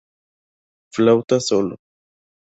Flauta solo.